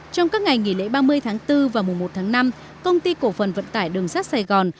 trong các ngày nghỉ lễ ba mươi tháng bốn và mùa một tháng năm công ty cổ phần vận tải đường sắt sài gòn